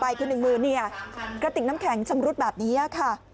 คือหนึ่งมือเนี่ยกระติกน้ำแข็งชำรุดแบบนี้ค่ะ